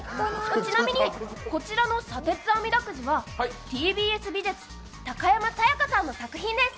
ちなみにこのラッピーあみだくじはＴＢＳ美術、高山彩佳さんの作品です。